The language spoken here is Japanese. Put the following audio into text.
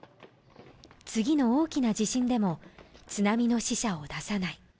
次の大きな地震でも津波の死者を出さない